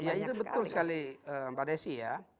itu betul sekali